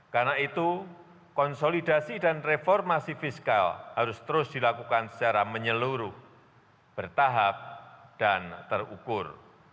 karena itu konsolidasi dan reformasi fiskal harus terus dilakukan secara menyeluruh bertahap dan terukur